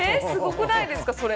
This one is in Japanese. すごくないですか？